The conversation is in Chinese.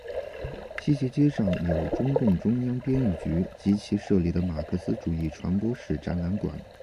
西斜街上有中共中央编译局及其设立的马克思主义传播史展览馆。